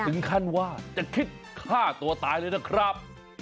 ถึงขั้นว่าจะคิดฆ่าตัวตายเลยนะครับ